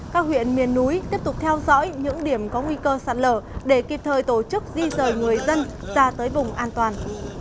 các huyện miền núi tiếp tục theo dõi những điểm có nguy cơ sạt lở để kịp thời tổ chức di rời người dân ra tới vùng an toàn